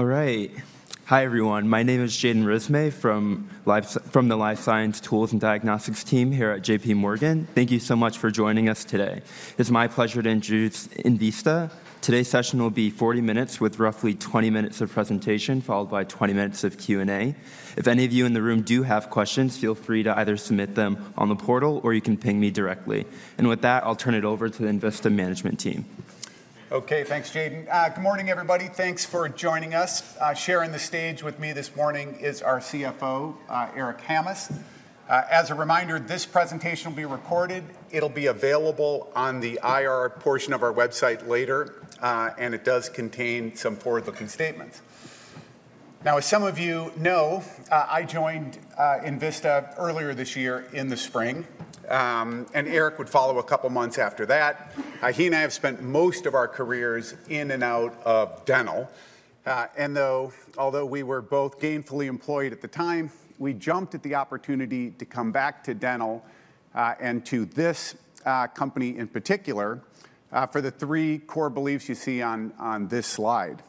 All right. Hi, everyone. My name is Jaden Rismay from the Life Science Tools and Diagnostics team here at J.P. Morgan. Thank you so much for joining us today. It's my pleasure to introduce Envista. Today's session will be 40 minutes with roughly 20 minutes of presentation, followed by 20 minutes of Q&A. If any of you in the room do have questions, feel free to either submit them on the portal or you can ping me directly. And with that, I'll turn it over to the Envista management team. OK, thanks, Jaden. Good morning, everybody. Thanks for joining us. Sharing the stage with me this morning is our CFO, Eric Hammes. As a reminder, this presentation will be recorded. It'll be available on the IR portion of our website later, and it does contain some forward-looking statements. Now, as some of you know, I joined Envista earlier this year in the spring, and Eric would follow a couple of months after that. He and I have spent most of our careers in and out of dental, and although we were both gainfully employed at the time, we jumped at the opportunity to come back to dental and to this company in particular for the three core beliefs you see on this slide.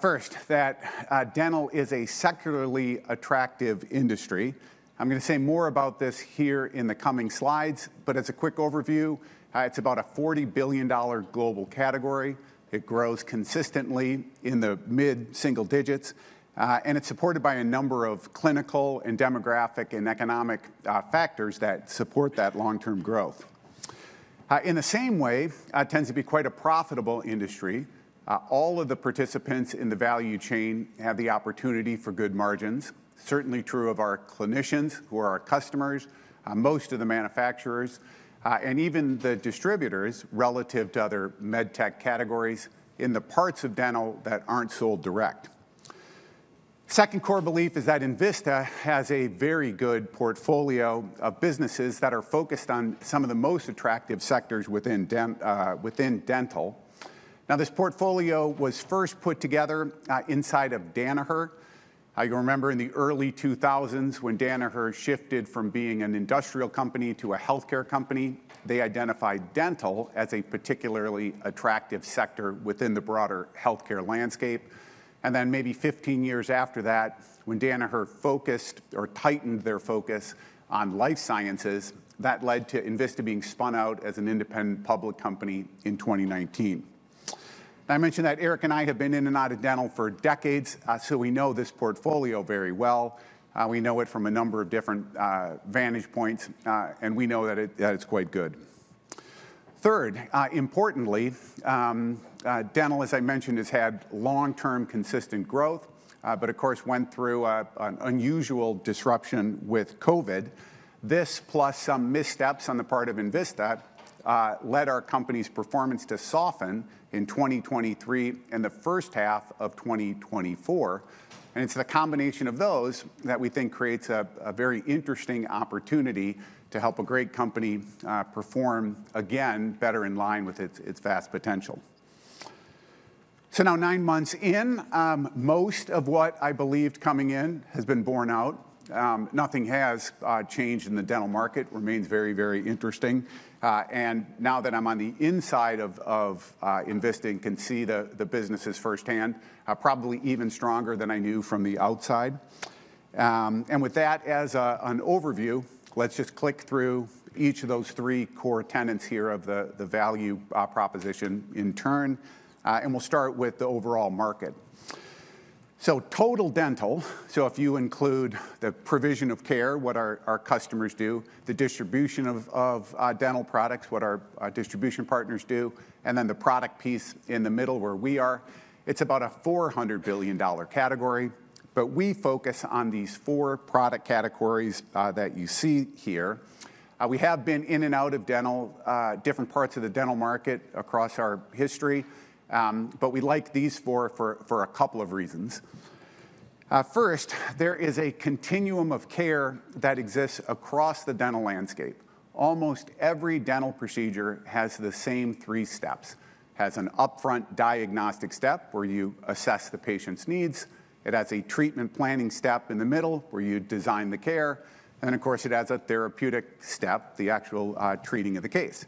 First, that dental is a secularly attractive industry. I'm going to say more about this here in the coming slides, but as a quick overview, it's about a $40 billion global category. It grows consistently in the mid-single digits, and it's supported by a number of clinical, demographic, and economic factors that support that long-term growth. In the same way, it tends to be quite a profitable industry. All of the participants in the value chain have the opportunity for good margins. Certainly true of our clinicians, who are our customers, most of the manufacturers, and even the distributors relative to other MedTech categories in the parts of dental that aren't sold direct. Second core belief is that Envista has a very good portfolio of businesses that are focused on some of the most attractive sectors within dental. Now, this portfolio was first put together inside of Danaher. You'll remember in the early 2000s when Danaher shifted from being an industrial company to a health care company. They identified dental as a particularly attractive sector within the broader health care landscape, and then maybe 15 years after that, when Danaher focused or tightened their focus on life sciences, that led to Envista being spun out as an independent public company in 2019. I mentioned that Eric and I have been in and out of dental for decades, so we know this portfolio very well. We know it from a number of different vantage points, and we know that it's quite good. Third, importantly, dental, as I mentioned, has had long-term consistent growth, but of course went through an unusual disruption with COVID. This, plus some missteps on the part of Envista, led our company's performance to soften in 2023 and the first half of 2024. And it's the combination of those that we think creates a very interesting opportunity to help a great company perform again better in line with its vast potential. So now, nine months in, most of what I believed coming in has been borne out. Nothing has changed in the dental market. It remains very, very interesting. And now that I'm on the inside of Envista and can see the businesses firsthand, probably even stronger than I knew from the outside. And with that as an overview, let's just click through each of those three core tenets here of the value proposition in turn. And we'll start with the overall market. So total dental, so if you include the provision of care, what our customers do, the distribution of dental products, what our distribution partners do, and then the product piece in the middle where we are, it's about a $400 billion category. But we focus on these four product categories that you see here. We have been in and out of dental, different parts of the dental market across our history, but we like these four for a couple of reasons. First, there is a continuum of care that exists across the dental landscape. Almost every dental procedure has the same three steps. It has an upfront diagnostic step where you assess the patient's needs. It has a treatment planning step in the middle where you design the care. And of course, it has a therapeutic step, the actual treating of the case.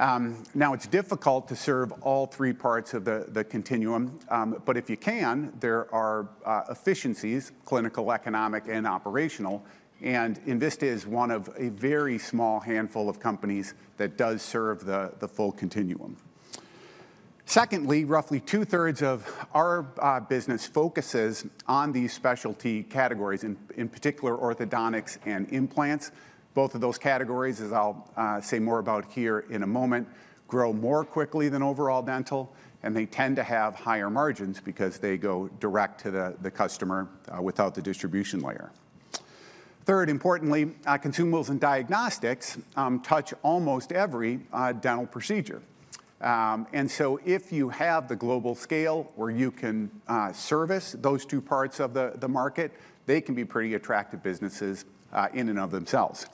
Now, it's difficult to serve all three parts of the continuum, but if you can, there are efficiencies, clinical, economic, and operational, and Envista is one of a very small handful of companies that does serve the full continuum. Secondly, roughly two-thirds of our business focuses on these specialty categories, in particular orthodontics and implants. Both of those categories, as I'll say more about here in a moment, grow more quickly than overall dental, and they tend to have higher margins because they go direct to the customer without the distribution layer. Third, importantly, consumables and diagnostics touch almost every dental procedure, and so if you have the global scale where you can service those two parts of the market, they can be pretty attractive businesses in and of themselves.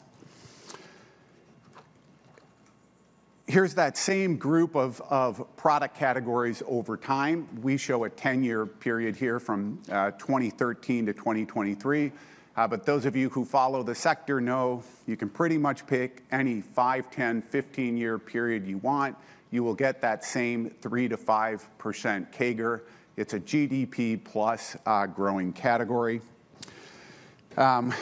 Here's that same group of product categories over time. We show a 10-year period here from 2013 to 2023. But those of you who follow the sector know you can pretty much pick any 5, 10, 15-year period you want. You will get that same 3%-5% CAGR. It's a GDP-plus growing category.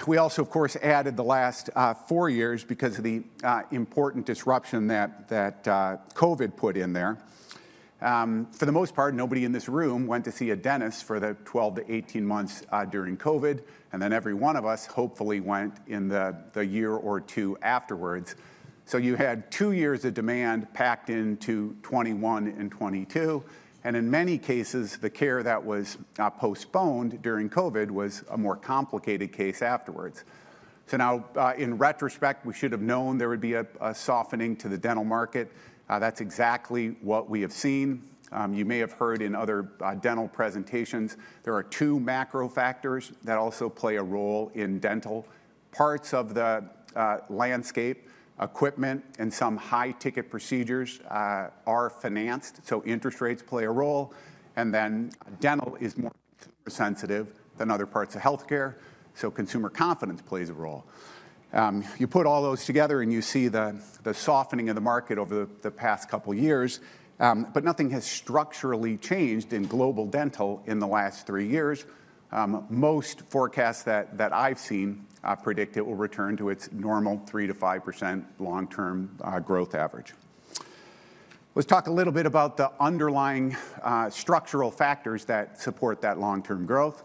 We also, of course, added the last four years because of the important disruption that COVID put in there. For the most part, nobody in this room went to see a dentist for the 12-18 months during COVID. And then every one of us hopefully went in the year or two afterwards. So you had two years of demand packed into 2021 and 2022. And in many cases, the care that was postponed during COVID was a more complicated case afterwards. So now, in retrospect, we should have known there would be a softening to the dental market. That's exactly what we have seen. You may have heard in other dental presentations, there are two macro factors that also play a role in dental parts of the landscape, equipment, and some high-ticket procedures are financed, so interest rates play a role, and then dental is more sensitive than other parts of health care, so consumer confidence plays a role. You put all those together and you see the softening of the market over the past couple of years, but nothing has structurally changed in global dental in the last three years. Most forecasts that I've seen predict it will return to its normal 3%-5% long-term growth average. Let's talk a little bit about the underlying structural factors that support that long-term growth.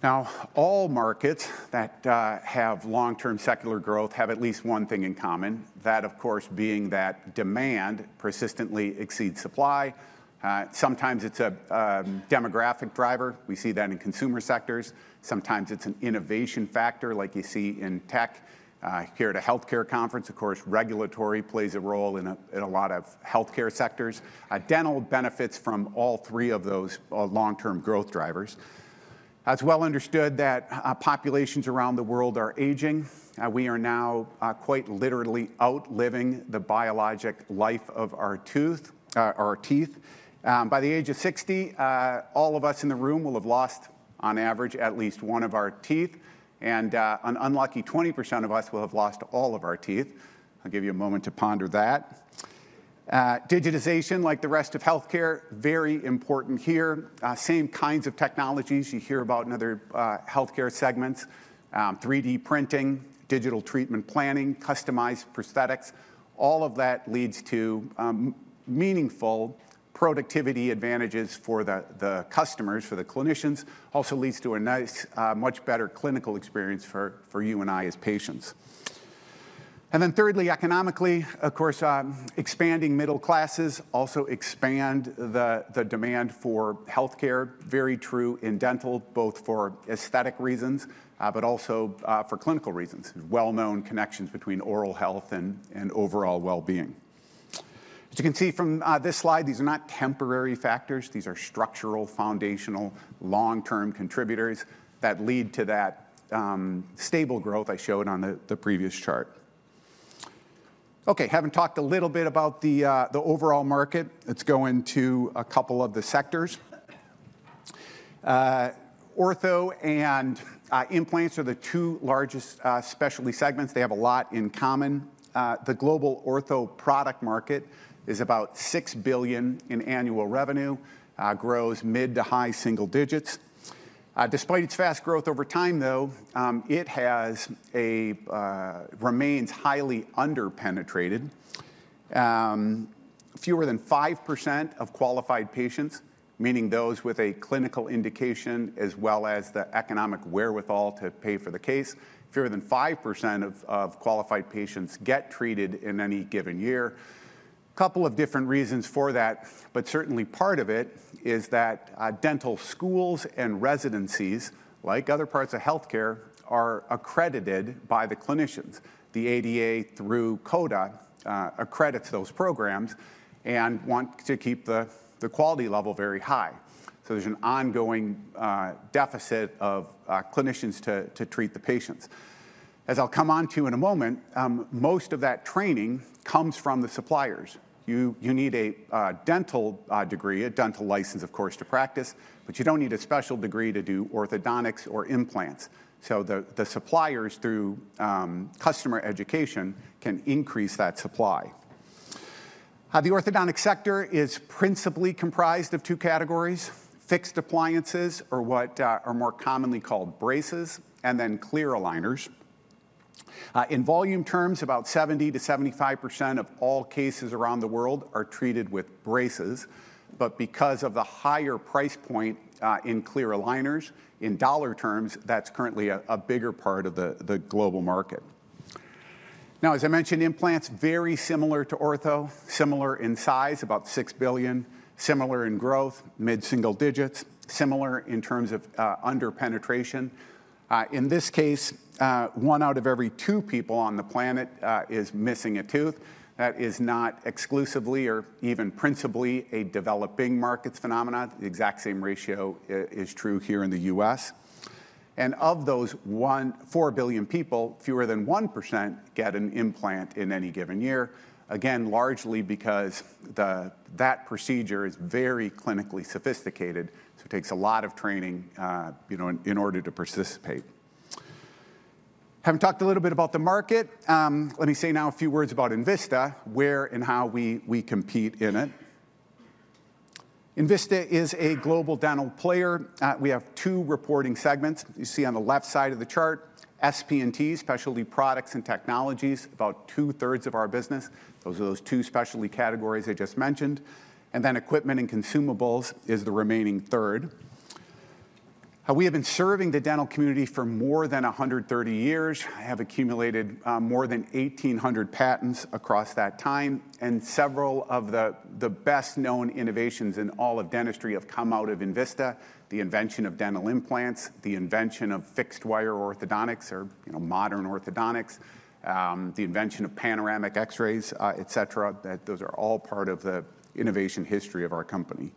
Now, all markets that have long-term secular growth have at least one thing in common, that, of course, being that demand persistently exceeds supply. Sometimes it's a demographic driver. We see that in consumer sectors. Sometimes it's an innovation factor, like you see in tech. Here at a health care conference, of course, regulatory plays a role in a lot of health care sectors. Dental benefits from all three of those long-term growth drivers. It's well understood that populations around the world are aging. We are now quite literally outliving the biologic life of our teeth. By the age of 60, all of us in the room will have lost, on average, at least one of our teeth. And an unlucky 20% of us will have lost all of our teeth. I'll give you a moment to ponder that. Digitization, like the rest of health care, is very important here. Same kinds of technologies you hear about in other health care segments, 3D printing, digital treatment planning, customized prosthetics, all of that leads to meaningful productivity advantages for the customers, for the clinicians. Also leads to a much better clinical experience for you and I as patients, and then thirdly, economically, of course, expanding middle classes also expand the demand for health care, very true in dental, both for aesthetic reasons, but also for clinical reasons. Well-known connections between oral health and overall well-being. As you can see from this slide, these are not temporary factors. These are structural, foundational, long-term contributors that lead to that stable growth I showed on the previous chart. OK, having talked a little bit about the overall market, let's go into a couple of the sectors. Ortho and implants are the two largest specialty segments. They have a lot in common. The global ortho product market is about $6 billion in annual revenue, grows mid to high single digits. Despite its fast growth over time, though, it remains highly underpenetrated. Fewer than 5% of qualified patients, meaning those with a clinical indication as well as the economic wherewithal to pay for the case, fewer than 5% of qualified patients get treated in any given year. A couple of different reasons for that, but certainly part of it is that dental schools and residencies, like other parts of health care, are accredited by the clinicians. The ADA, through CODA, accredits those programs and wants to keep the quality level very high. So there's an ongoing deficit of clinicians to treat the patients. As I'll come on to in a moment, most of that training comes from the suppliers. You need a dental degree, a dental license, of course, to practice, but you don't need a special degree to do orthodontics or implants. So the suppliers, through customer education, can increase that supply. The orthodontic sector is principally comprised of two categories: fixed appliances, or what are more commonly called braces, and then clear aligners. In volume terms, about 70%-75% of all cases around the world are treated with braces. But because of the higher price point in clear aligners, in dollar terms, that's currently a bigger part of the global market. Now, as I mentioned, implants are very similar to ortho, similar in size, about $6 billion, similar in growth, mid-single digits, similar in terms of underpenetration. In this case, one out of every two people on the planet is missing a tooth. That is not exclusively or even principally a developing market phenomenon. The exact same ratio is true here in the U.S. And of those 4 billion people, fewer than 1% get an implant in any given year, again, largely because that procedure is very clinically sophisticated. So it takes a lot of training in order to participate. Having talked a little bit about the market, let me say now a few words about Envista, where and how we compete in it. Envista is a global dental player. We have two reporting segments. You see on the left side of the chart, SP&T, specialty products and technologies, about two-thirds of our business. Those are those two specialty categories I just mentioned. And then equipment and consumables is the remaining third. We have been serving the dental community for more than 130 years. I have accumulated more than 1,800 patents across that time. Several of the best-known innovations in all of dentistry have come out of Envista, the invention of dental implants, the invention of fixed-wire orthodontics, or modern orthodontics, the invention of panoramic X-rays, et cetera. Those are all part of the innovation history of our company.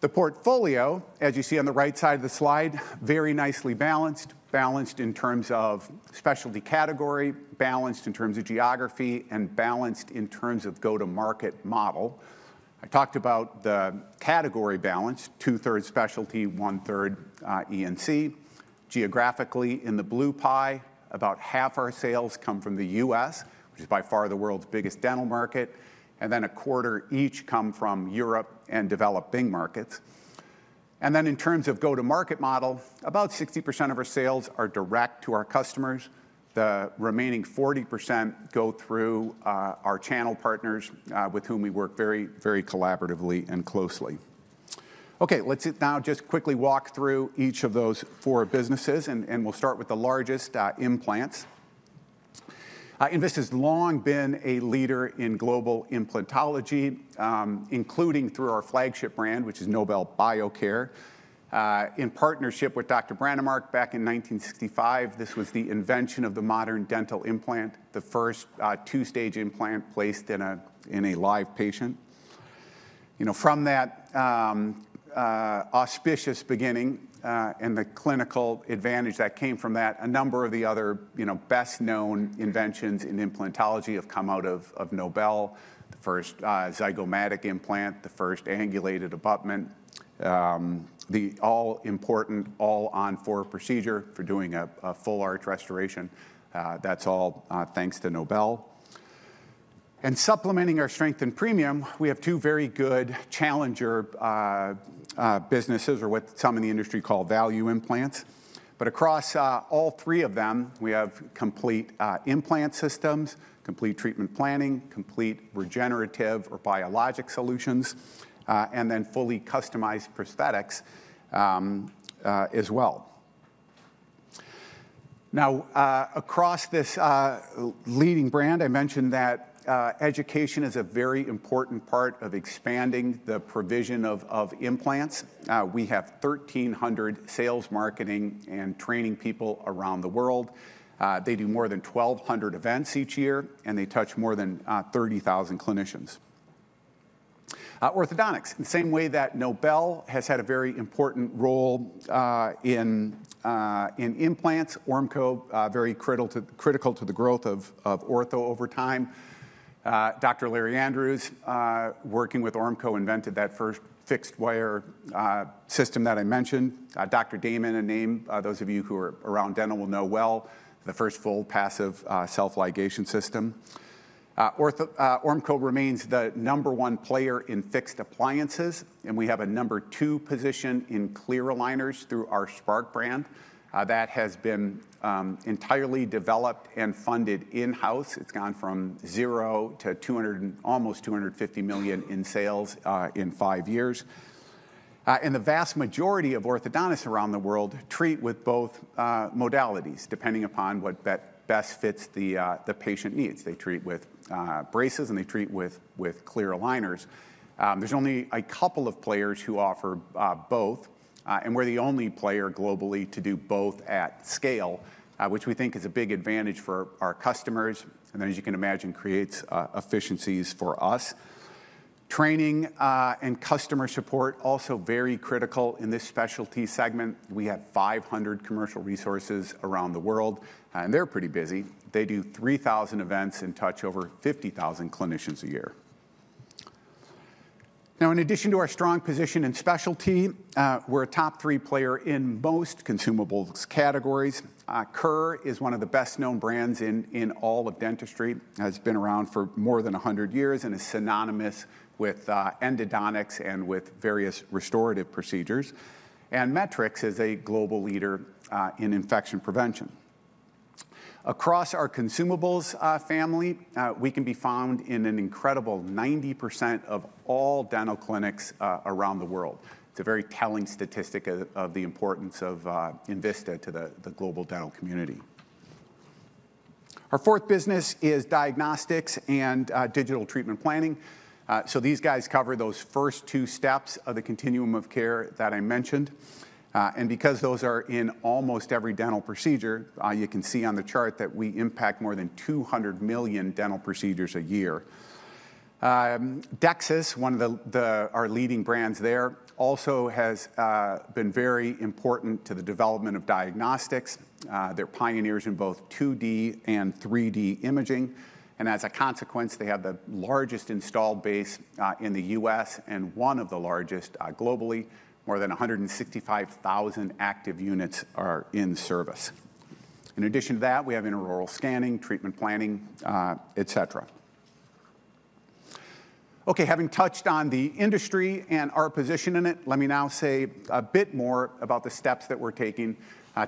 The portfolio, as you see on the right side of the slide, is very nicely balanced, balanced in terms of specialty category, balanced in terms of geography, and balanced in terms of go-to-market model. I talked about the category balance, two-thirds specialty, one-third ENC. Geographically, in the blue pie, about half our sales come from the U.S., which is by far the world's biggest dental market, and then a quarter each come from Europe and developing markets. Then in terms of go-to-market model, about 60% of our sales are direct to our customers. The remaining 40% go through our channel partners, with whom we work very, very collaboratively and closely. OK, let's now just quickly walk through each of those four businesses, and we'll start with the largest, implants. Envista has long been a leader in global implantology, including through our flagship brand, which is Nobel Biocare. In partnership with Dr. Brånemark back in 1965, this was the invention of the modern dental implant, the first two-stage implant placed in a live patient. From that auspicious beginning and the clinical advantage that came from that, a number of the other best-known inventions in implantology have come out of Nobel, the first zygomatic implant, the first angulated abutment, the all-important All-on-4 procedure for doing a full arch restoration. That's all thanks to Nobel. And supplementing our strength and premium, we have two very good challenger businesses, or what some in the industry call value implants. But across all three of them, we have complete implant systems, complete treatment planning, complete regenerative or biologic solutions, and then fully customized prosthetics as well. Now, across this leading brand, I mentioned that education is a very important part of expanding the provision of implants. We have 1,300 sales, marketing, and training people around the world. They do more than 1,200 events each year, and they touch more than 30,000 clinicians. Orthodontics, in the same way that Nobel has had a very important role in implants. Ormco, very critical to the growth of ortho over time. Dr. Larry Andrews, working with Ormco, invented that first fixed-wire system that I mentioned. Dr. Damon, a name those of you who are around dental will know well, the first full passive self-ligation system. Ormco remains the number one player in fixed appliances, and we have a number two position in clear aligners through our Spark brand. That has been entirely developed and funded in-house. It's gone from zero to almost $250 million in sales in five years, and the vast majority of orthodontists around the world treat with both modalities, depending upon what best fits the patient needs. They treat with braces, and they treat with clear aligners. There's only a couple of players who offer both, and we're the only player globally to do both at scale, which we think is a big advantage for our customers, and then, as you can imagine, creates efficiencies for us. Training and customer support are also very critical in this specialty segment. We have 500 commercial resources around the world, and they're pretty busy. They do 3,000 events and touch over 50,000 clinicians a year. Now, in addition to our strong position in specialty, we're a top three player in most consumables categories. Kerr is one of the best-known brands in all of dentistry. It has been around for more than 100 years and is synonymous with endodontics and with various restorative procedures, and Metrex is a global leader in infection prevention. Across our consumables family, we can be found in an incredible 90% of all dental clinics around the world. It's a very telling statistic of the importance of Envista to the global dental community. Our fourth business is diagnostics and digital treatment planning, so these guys cover those first two steps of the continuum of care that I mentioned. Because those are in almost every dental procedure, you can see on the chart that we impact more than 200 million dental procedures a year. DEXIS, one of our leading brands there, also has been very important to the development of diagnostics. They're pioneers in both 2D and 3D imaging. And as a consequence, they have the largest installed base in the U.S. and one of the largest globally. More than 165,000 active units are in service. In addition to that, we have intraoral scanning, treatment planning, et cetera. OK, having touched on the industry and our position in it, let me now say a bit more about the steps that we're taking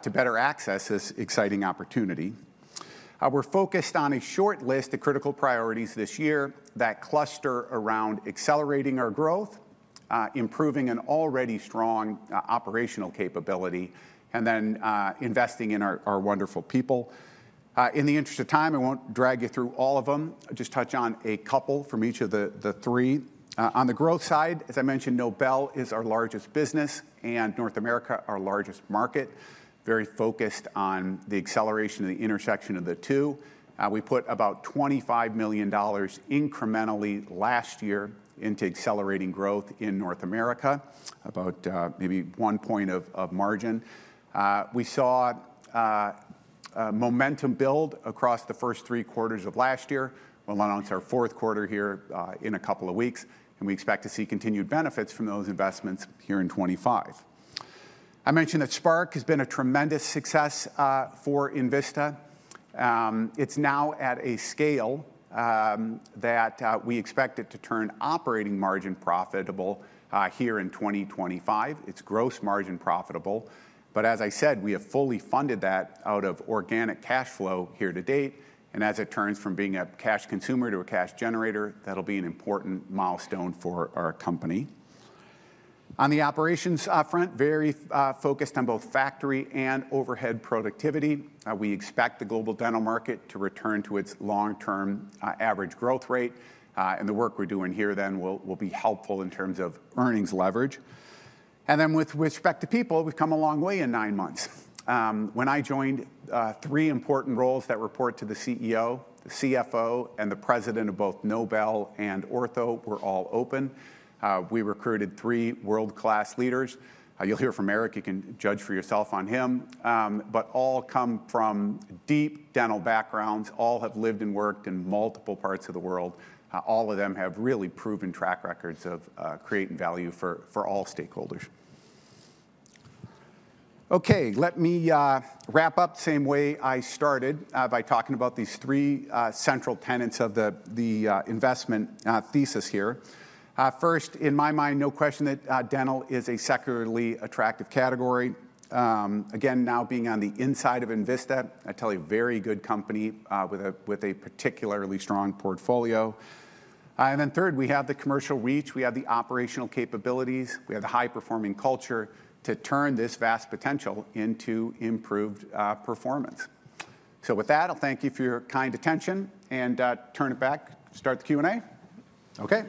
to better access this exciting opportunity. We're focused on a short list of critical priorities this year that cluster around accelerating our growth, improving an already strong operational capability, and then investing in our wonderful people. In the interest of time, I won't drag you through all of them. I'll just touch on a couple from each of the three. On the growth side, as I mentioned, Nobel is our largest business, and North America is our largest market, very focused on the acceleration and the intersection of the two. We put about $25 million incrementally last year into accelerating growth in North America, about maybe one point of margin. We saw momentum build across the first three quarters of last year. We'll announce our fourth quarter here in a couple of weeks, and we expect to see continued benefits from those investments here in 2025. I mentioned that Spark has been a tremendous success for Envista. It's now at a scale that we expect it to turn operating margin profitable here in 2025. It's gross margin profitable. But as I said, we have fully funded that out of organic cash flow here to date. And as it turns from being a cash consumer to a cash generator, that'll be an important milestone for our company. On the operations front, very focused on both factory and overhead productivity. We expect the global dental market to return to its long-term average growth rate. And the work we're doing here then will be helpful in terms of earnings leverage. And then with respect to people, we've come a long way in nine months. When I joined, three important roles that report to the CEO, the CFO, and the president of both Nobel and Ortho were all open. We recruited three world-class leaders. You'll hear from Eric. You can judge for yourself on him. But all come from deep dental backgrounds, all have lived and worked in multiple parts of the world. All of them have really proven track records of creating value for all stakeholders. OK, let me wrap up the same way I started by talking about these three central tenets of the investment thesis here. First, in my mind, no question that dental is a securely attractive category. Again, now being on the inside of Envista, I tell you, a very good company with a particularly strong portfolio. And then third, we have the commercial reach. We have the operational capabilities. We have the high-performing culture to turn this vast potential into improved performance. So with that, I'll thank you for your kind attention. And turn it back, start the Q&A. OK.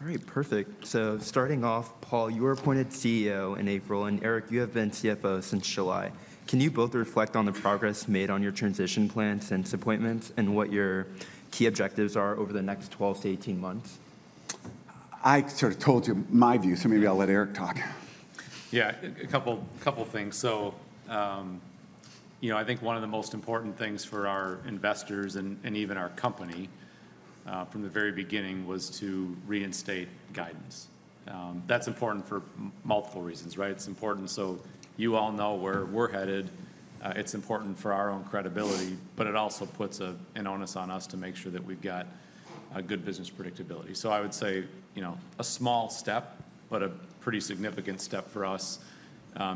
All right, perfect. So starting off, Paul, you were appointed CEO in April. Eric, you have been CFO since July. Can you both reflect on the progress made on your transition plans, since appointments, and what your key objectives are over the next 12 to 18 months? I sort of told you my view, so maybe I'll let Eric talk. Yeah, a couple of things. So I think one of the most important things for our investors and even our company from the very beginning was to reinstate guidance. That's important for multiple reasons, right? It's important so you all know where we're headed. It's important for our own credibility. But it also puts an onus on us to make sure that we've got good business predictability. So I would say a small step, but a pretty significant step for us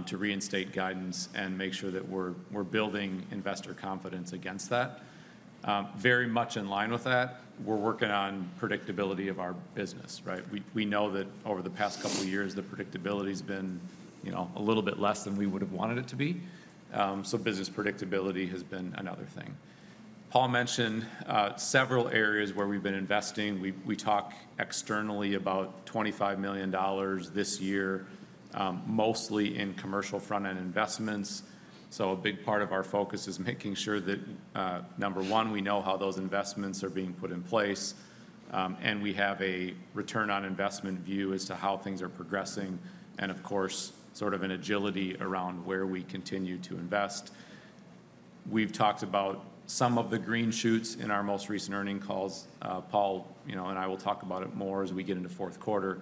to reinstate guidance and make sure that we're building investor confidence against that. Very much in line with that, we're working on predictability of our business, right? We know that over the past couple of years, the predictability has been a little bit less than we would have wanted it to be. So business predictability has been another thing. Paul mentioned several areas where we've been investing. We talk externally about $25 million this year, mostly in commercial front-end investments. So a big part of our focus is making sure that, number one, we know how those investments are being put in place. And we have a return on investment view as to how things are progressing. And of course, sort of an agility around where we continue to invest. We've talked about some of the green shoots in our most recent earnings calls. Paul and I will talk about it more as we get into fourth quarter.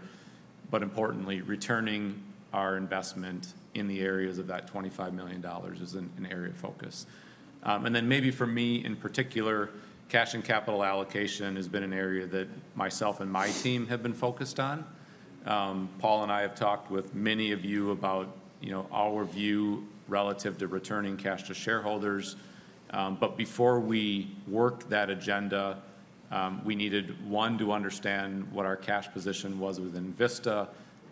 But importantly, returning our investment in the areas of that $25 million is an area of focus. And then maybe for me in particular, cash and capital allocation has been an area that myself and my team have been focused on. Paul and I have talked with many of you about our view relative to returning cash to shareholders. But before we work that agenda, we needed, one, to understand what our cash position was with Envista,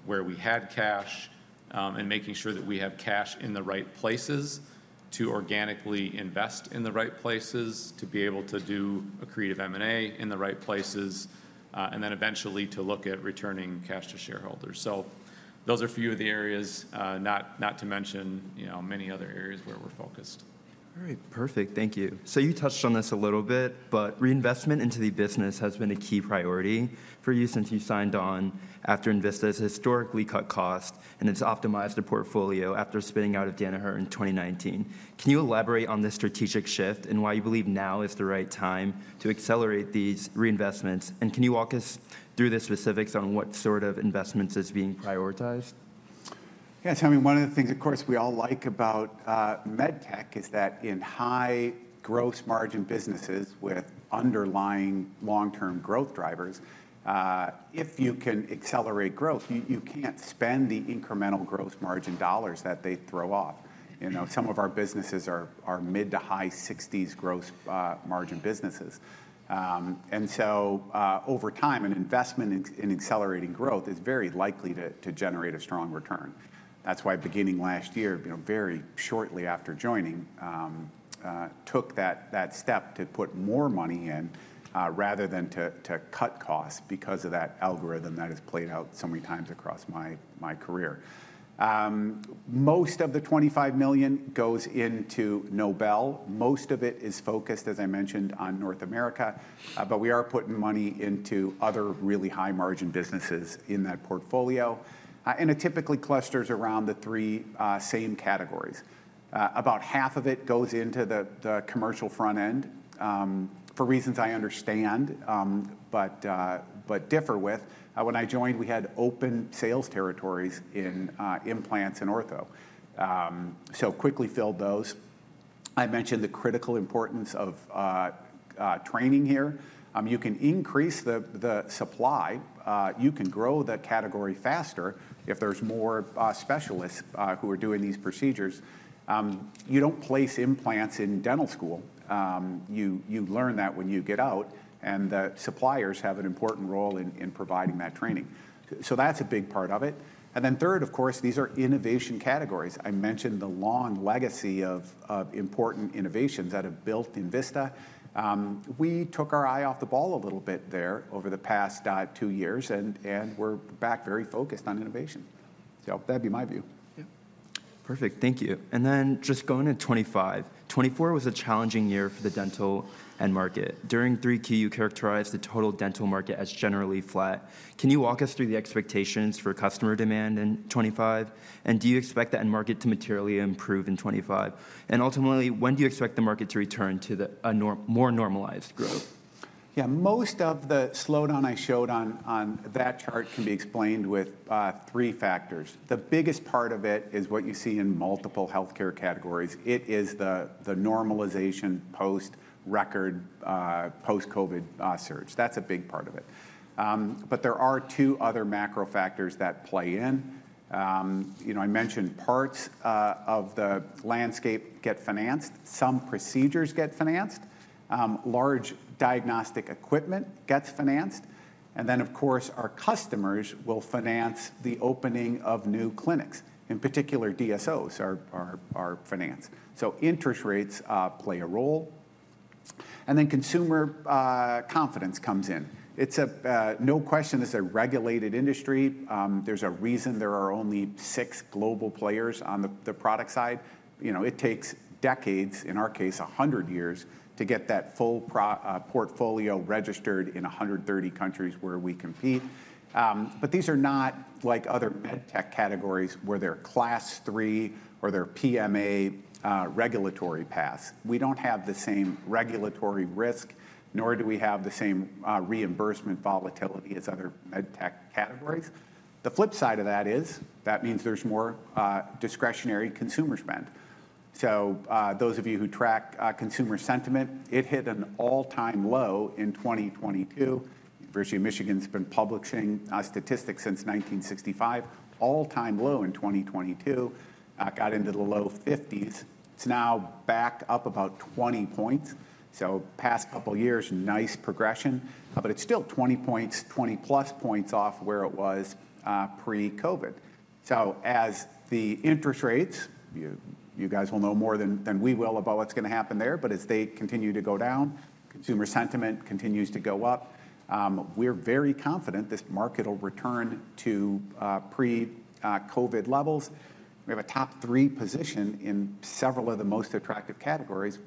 where we had cash, and making sure that we have cash in the right places to organically invest in the right places, to be able to do a creative M&A in the right places, and then eventually to look at returning cash to shareholders. So those are a few of the areas, not to mention many other areas where we're focused. All right, perfect. Thank you. So you touched on this a little bit, but reinvestment into the business has been a key priority for you since you signed on after Envista's historically cut costs and has optimized a portfolio after spinning out of Danaher in 2019. Can you elaborate on this strategic shift and why you believe now is the right time to accelerate these reinvestments? And can you walk us through the specifics on what sort of investments are being prioritized? Yeah, to me, one of the things, of course, we all like about MedTech is that in high gross margin businesses with underlying long-term growth drivers, if you can accelerate growth, you can't spend the incremental gross margin dollars that they throw off. Some of our businesses are mid to high 60s gross margin businesses. And so over time, an investment in accelerating growth is very likely to generate a strong return. That's why beginning last year, very shortly after joining, I took that step to put more money in rather than to cut costs because of that algorithm that has played out so many times across my career. Most of the $25 million goes into Nobel. Most of it is focused, as I mentioned, on North America. But we are putting money into other really high margin businesses in that portfolio. And it typically clusters around the three same categories. About half of it goes into the commercial front end for reasons I understand but differ with. When I joined, we had open sales territories in implants and ortho. So quickly filled those. I mentioned the critical importance of training here. You can increase the supply. You can grow the category faster if there's more specialists who are doing these procedures. You don't place implants in dental school. You learn that when you get out, and the suppliers have an important role in providing that training. So that's a big part of it, and then third, of course, these are innovation categories. I mentioned the long legacy of important innovations that have built Envista. We took our eye off the ball a little bit there over the past two years, and we're back very focused on innovation. So that'd be my view. Yeah, perfect. Thank you. Then just going to 2025, 2024 was a challenging year for the dental end market. During 3Q, you characterized the total dental market as generally flat. Can you walk us through the expectations for customer demand in 2025? And do you expect the end market to materially improve in 2025? And ultimately, when do you expect the market to return to a more normalized growth? Yeah, most of the slowdown I showed on that chart can be explained with three factors. The biggest part of it is what you see in multiple health care categories. It is the normalization post-record, post-COVID surge. That's a big part of it. But there are two other macro factors that play in. I mentioned parts of the landscape get financed. Some procedures get financed. Large diagnostic equipment gets financed. And then, of course, our customers will finance the opening of new clinics. In particular, DSOs are financed. So interest rates play a role. And then consumer confidence comes in. No question it's a regulated industry. There's a reason there are only six global players on the product side. It takes decades, in our case, 100 years to get that full portfolio registered in 130 countries where we compete. But these are not like other MedTech categories where they're Class III or they're PMA regulatory paths. We don't have the same regulatory risk, nor do we have the same reimbursement volatility as other MedTech categories. The flip side of that is that means there's more discretionary consumer spend. So those of you who track consumer sentiment, it hit an all-time low in 2022. University of Michigan's been publishing statistics since 1965. All-time low in 2022 got into the low 50s. It's now back up about 20 points. So past couple of years, nice progression. But it's still 20 points, 20-plus points off where it was pre-COVID. So as the interest rates, you guys will know more than we will about what's going to happen there. But as they continue to go down, consumer sentiment continues to go up. We're very confident this market will return to pre-COVID levels. We have a top three position in several of the most attractive categories.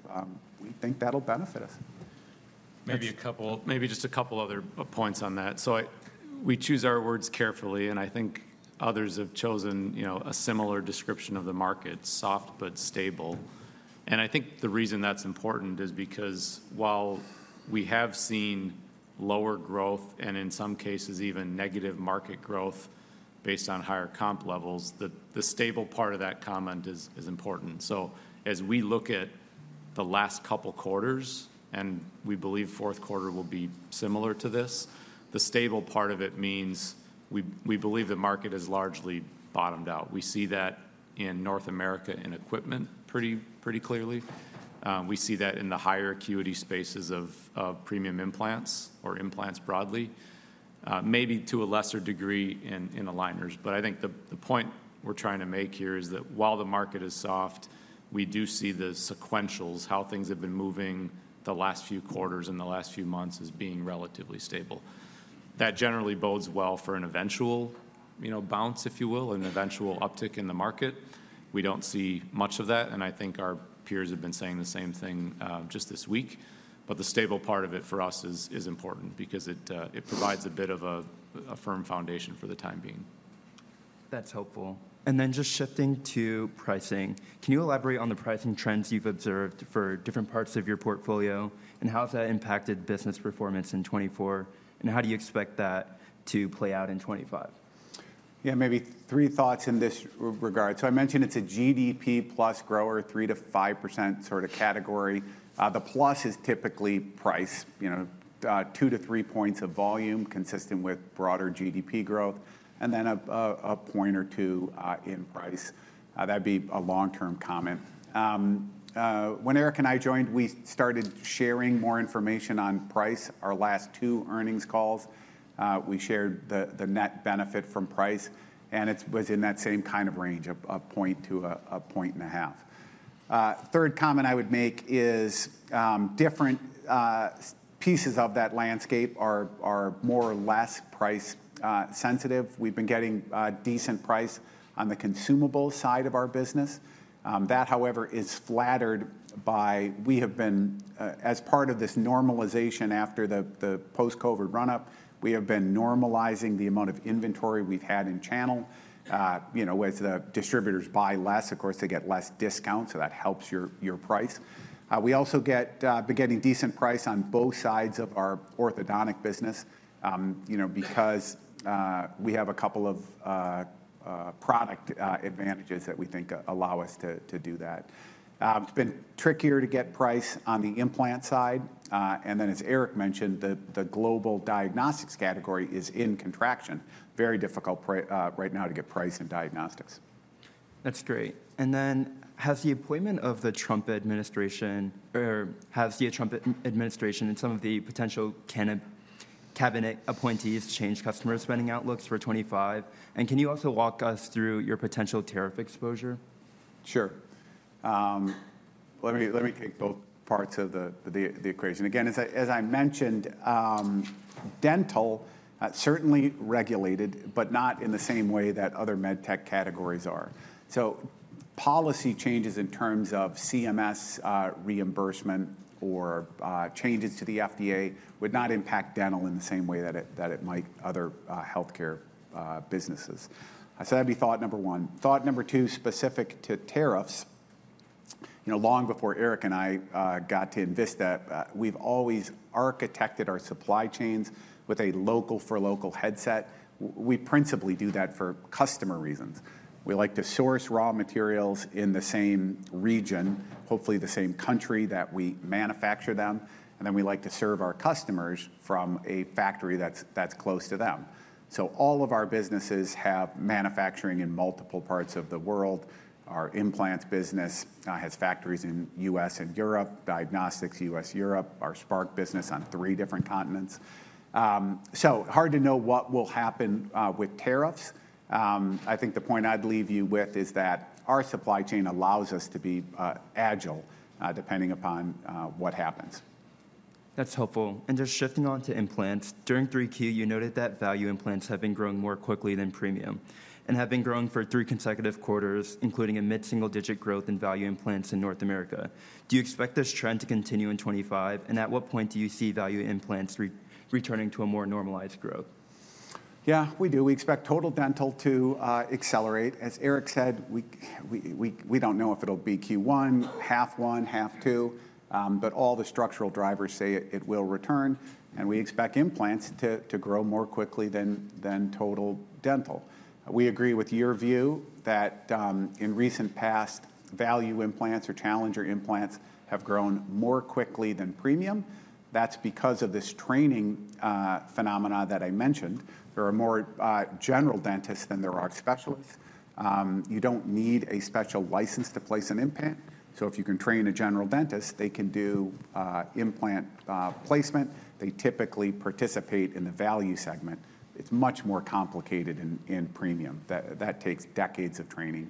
We think that'll benefit us. Maybe just a couple of other points on that. So we choose our words carefully. And I think others have chosen a similar description of the market, soft but stable. And I think the reason that's important is because while we have seen lower growth and in some cases even negative market growth based on higher comp levels, the stable part of that comment is important. So as we look at the last couple of quarters, and we believe fourth quarter will be similar to this, the stable part of it means we believe the market has largely bottomed out. We see that in North America in equipment pretty clearly. We see that in the higher acuity spaces of premium implants or implants broadly, maybe to a lesser degree in aligners. But I think the point we're trying to make here is that while the market is soft, we do see the sequentials, how things have been moving the last few quarters and the last few months as being relatively stable. That generally bodes well for an eventual bounce, if you will, an eventual uptick in the market. We don't see much of that. And I think our peers have been saying the same thing just this week. But the stable part of it for us is important because it provides a bit of a firm foundation for the time being. That's helpful. And then just shifting to pricing, can you elaborate on the pricing trends you've observed for different parts of your portfolio and how has that impacted business performance in 2024? And how do you expect that to play out in 2025? Yeah, maybe three thoughts in this regard. So I mentioned it's a GDP plus grower, 3%-5% sort of category. The plus is typically price, two-three points of volume consistent with broader GDP growth, and then a point or two in price. That'd be a long-term comment. When Eric and I joined, we started sharing more information on price. Our last two earnings calls, we shared the net benefit from price. And it was in that same kind of range, a point to a point and a half. Third comment I would make is different pieces of that landscape are more or less price sensitive. We've been getting decent price on the consumable side of our business. That, however, is flattered by we have been, as part of this normalization after the post-COVID run-up, we have been normalizing the amount of inventory we've had in channel. As the distributors buy less, of course, they get less discounts. So that helps your price. We've also been getting decent price on both sides of our orthodontic business because we have a couple of product advantages that we think allow us to do that. It's been trickier to get price on the implant side. And then, as Eric mentioned, the global diagnostics category is in contraction. Very difficult right now to get price in diagnostics. That's great. Has the appointment of the Trump administration or has the Trump administration and some of the potential cabinet appointees changed customer spending outlooks for 2025? And can you also walk us through your potential tariff exposure? Sure. Let me take both parts of the equation. Again, as I mentioned, dental is certainly regulated, but not in the same way that other MedTech categories are. So policy changes in terms of CMS reimbursement or changes to the FDA would not impact dental in the same way that it might other health care businesses. So that'd be thought number one. Thought number two, specific to tariffs. Long before Eric and I got to Envista, we've always architected our supply chains with a local-for-local mindset. We principally do that for customer reasons. We like to source raw materials in the same region, hopefully the same country that we manufacture them. And then we like to serve our customers from a factory that's close to them. So all of our businesses have manufacturing in multiple parts of the world. Our implants business has factories in the U.S. and Europe, diagnostics U.S., Europe, our Spark business on three different continents. So hard to know what will happen with tariffs. I think the point I'd leave you with is that our supply chain allows us to be agile depending upon what happens. That's helpful. And just shifting on to implants, during 3Q, you noted that value implants have been growing more quickly than premium and have been growing for three consecutive quarters, including a mid-single-digit growth in value implants in North America. Do you expect this trend to continue in 2025? And at what point do you see value implants returning to a more normalized growth? Yeah, we do. We expect total dental to accelerate. As Eric said, we don't know if it'll be Q1, half one, half two. But all the structural drivers say it will return. And we expect implants to grow more quickly than total dental. We agree with your view that in recent past, value implants or challenger implants have grown more quickly than premium. That's because of this training phenomenon that I mentioned. There are more general dentists than there are specialists. You don't need a special license to place an implant. So if you can train a general dentist, they can do implant placement. They typically participate in the value segment. It's much more complicated in premium. That takes decades of training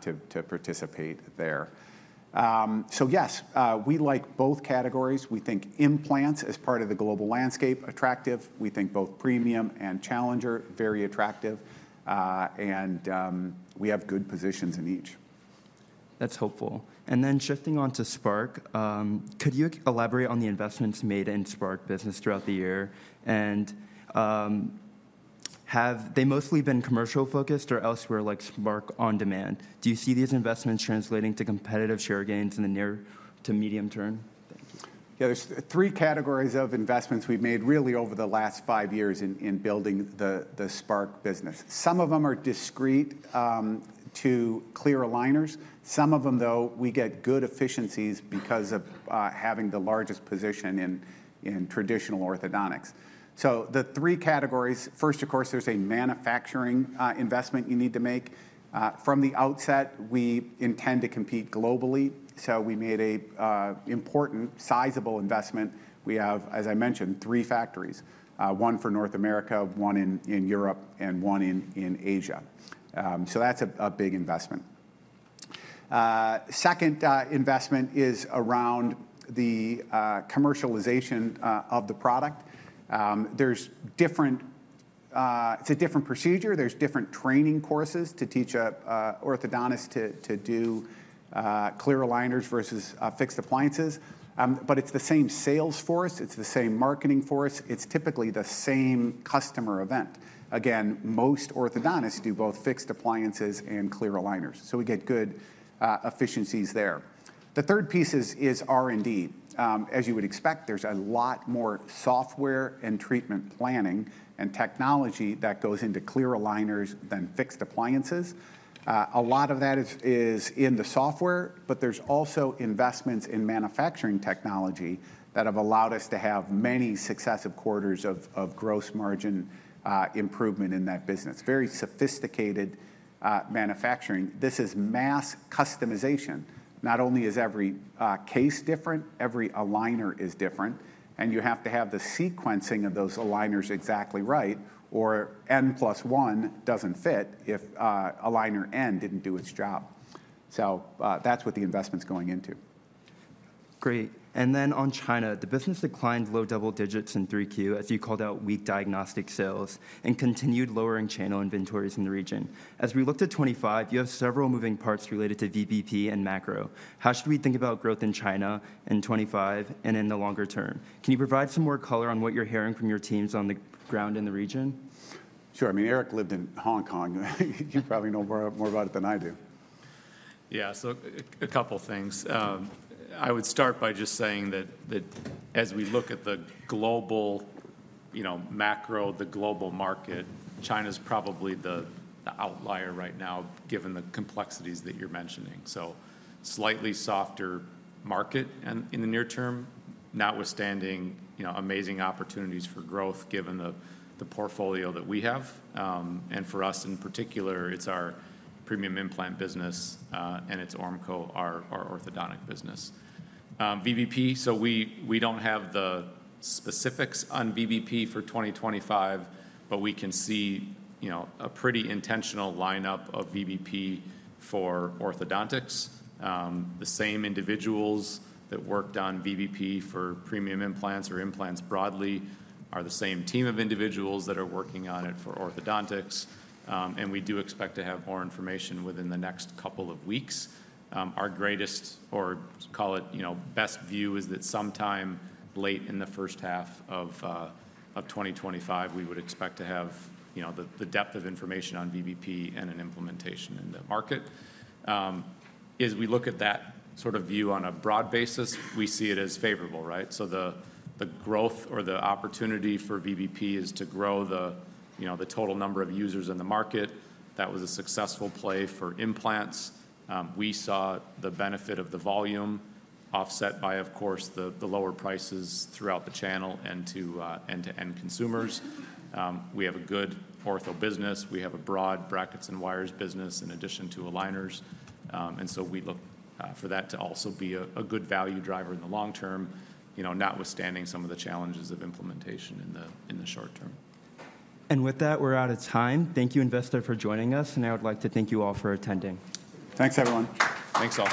to participate there. So yes, we like both categories. We think implants as part of the global landscape, attractive. We think both premium and challenger, very attractive. And we have good positions in each. That's helpful. And then shifting on to Spark, could you elaborate on the investments made in Spark business throughout the year? And have they mostly been commercial-focused or elsewhere like Spark on demand? Do you see these investments translating to competitive share gains in the near to medium term? Yeah, there's three categories of investments we've made really over the last five years in building the Spark business. Some of them are discrete to clear aligners. Some of them, though, we get good efficiencies because of having the largest position in traditional orthodontics. So the three categories, first, of course, there's a manufacturing investment you need to make. From the outset, we intend to compete globally. So we made an important sizable investment. We have, as I mentioned, three factories, one for North America, one in Europe, and one in Asia. So that's a big investment. Second investment is around the commercialization of the product. It's a different procedure. There's different training courses to teach an orthodontist to do clear aligners versus fixed appliances. But it's the same sales force. It's the same marketing force. It's typically the same customer event. Again, most orthodontists do both fixed appliances and clear aligners. So we get good efficiencies there. The third piece is R&D. As you would expect, there's a lot more software and treatment planning and technology that goes into clear aligners than fixed appliances. A lot of that is in the software. But there's also investments in manufacturing technology that have allowed us to have many successive quarters of gross margin improvement in that business, very sophisticated manufacturing. This is mass customization. Not only is every case different, every aligner is different. And you have to have the sequencing of those aligners exactly right or N plus 1 doesn't fit if aligner N didn't do its job. So that's what the investment's going into. Great. On China, the business declined low double digits in 3Q, as you called out weak diagnostic sales and continued lowering channel inventories in the region. As we look to 2025, you have several moving parts related to VBP and macro. How should we think about growth in China in 2025 and in the longer term? Can you provide some more color on what you're hearing from your teams on the ground in the region? Sure. I mean, Eric lived in Hong Kong. You probably know more about it than I do. Yeah, so a couple of things. I would start by just saying that as we look at the global macro, the global market, China's probably the outlier right now given the complexities that you're mentioning. So slightly softer market in the near term, notwithstanding amazing opportunities for growth given the portfolio that we have. For us in particular, it's our premium implant business and it's Ormco, our orthodontic business. VBP, so we don't have the specifics on VBP for 2025, but we can see a pretty intentional lineup of VBP for orthodontics. The same individuals that worked on VBP for premium implants or implants broadly are the same team of individuals that are working on it for orthodontics. We do expect to have more information within the next couple of weeks. Our greatest, or call it best view, is that sometime late in the first half of 2025, we would expect to have the depth of information on VBP and an implementation in the market. As we look at that sort of view on a broad basis, we see it as favorable, right? So the growth or the opportunity for VBP is to grow the total number of users in the market. That was a successful play for implants. We saw the benefit of the volume offset by, of course, the lower prices throughout the channel and to end-to-end consumers. We have a good ortho business. We have a broad brackets and wires business in addition to aligners, and so we look for that to also be a good value driver in the long term, notwithstanding some of the challenges of implementation in the short term, and with that, we're out of time. Thank you, Envista, for joining us, and I would like to thank you all for attending. Thanks, everyone. Thanks, all.